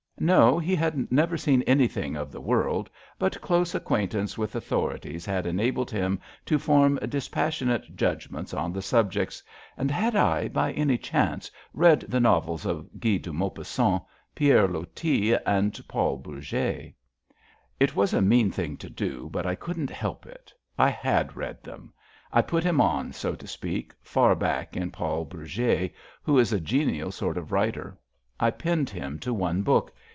No, he had never seen anything of the world, but close ac quaintance with authorities had enabled him to form dispassionate judgments on the subjects, and had I, by any chance, read the novels of Guy de Maupassant, Pierre Loti and Paul Bourgetf It was a mean thing to do, but I couldn't help it. I had read 'em. I put him on, so to speak, far back in Paul Bourget, who is a genial sort of writer. I pinned him to one book.